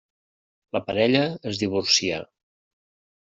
La parella es divorcià.